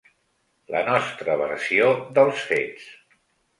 La nostra versió dels fets.